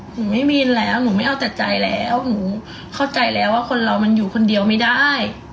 หนูไม่มีแล้วหนูไม่เอาแต่ใจแล้วหนูเข้าใจแล้วว่าคนเรามันอยู่คนเดียวไม่ได้